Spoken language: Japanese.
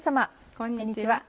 こんにちは。